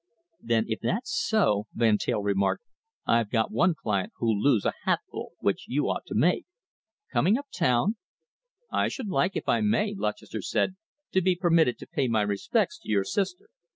"Then if that's so," Van Teyl remarked, "I've got one client who'll lose a hatful which you ought to make. Coming up town?" "I should like, if I may?" Lutchester said, "to be permitted to pay my respects to your sister."